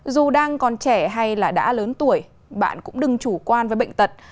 dù đang còn trẻ hay là đã lớn tuổi bạn cũng đừng chủ quan với bệnh tật